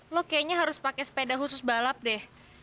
lo kayaknya harus pakai sepeda khusus balap deh